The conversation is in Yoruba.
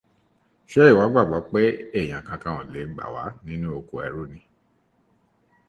Ṣé ìwọ gbàgbọ́ pé èèyàn kankan ò lè gbà wá nínú oko ẹrú ni?